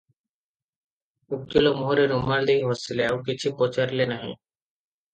ଉକୀଲ ମୁହଁରେ ରୁମାଲ ଦେଇ ହସିଲେ, ଆଉ କିଛି ପଚାରିଲେ ନାହିଁ ।